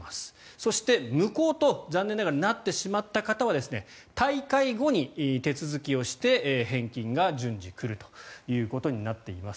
そして、無効と残念ながらなってしまった方は大会後に手続きをして返金が順次来るということになっています。